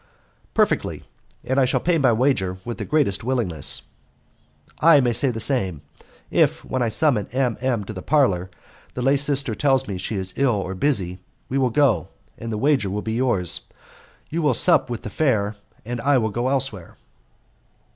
"Perfectly, and I shall pay my wager with the greatest willingness." "I may say the same. If, when I summon M. M. to the parlour, the lay sister tells us she is ill or busy, we will go, and the wager will be yours; you will sup with the fair, and I will go elsewhere."